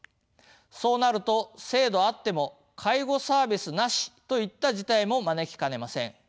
そうなると「制度あっても介護サービスなし」といった事態も招きかねません。